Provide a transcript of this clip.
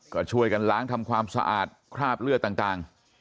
ก็ช่วยกันล้างทำความสะอาดคราบเลือดต่าง